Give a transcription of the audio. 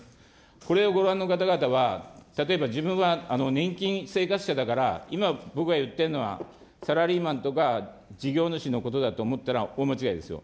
これをご覧の方々は、例えば自分は年金生活者だから、今、僕が言ってるのは、サラリーマンとか事業主のことだと思ったら、大間違いですよ。